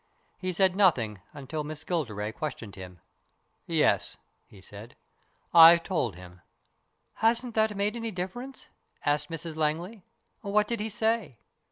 He said nothing until Miss Gilderay questioned him. " Yes," he said. " I've told him." " Hasn't that made any difference ?" asked Mrs Langley. " What did he say